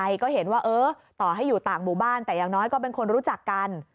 ก็เห็นว่าเออต่อให้อยู่ต่างหมู่บ้านแต่อย่างน้อยก็เป็นคนรู้จักกัน